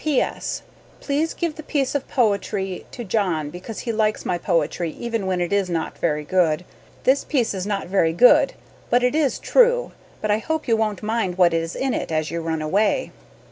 P. S. Please give the piece of poetry to John because he likes my poetry even when it is not very good. This piece is not very good but it is true but I hope you won't mind what is in it as you ran away.